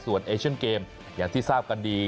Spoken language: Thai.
ส่วนเอเชียนเกมอย่างที่ทราบกันดี